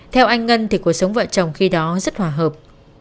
theo anh ngân thì cuộc sống vợ chồng khi đó rất hòa hợp